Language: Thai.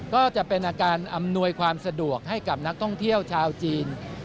ก็จะเป็นอาการอำนวยความสะดวกให้กับนักท่องเที่ยวชาวจีน